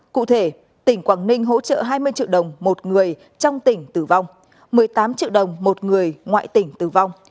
cụ thể tỉnh quảng ninh hỗ trợ hai mươi triệu đồng một người trong tỉnh tử vong một mươi tám triệu đồng một người ngoại tỉnh tử vong